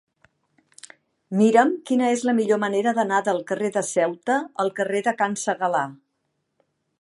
Mira'm quina és la millor manera d'anar del carrer de Ceuta al carrer de Can Segalar.